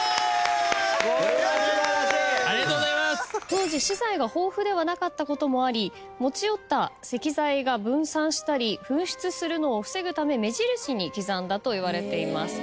当時資材が豊富ではなかったこともあり持ち寄った石材が分散したり紛失するのを防ぐため目印に刻んだといわれています。